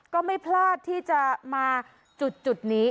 ก็ไม่พลาดที่จะมาจุดนี้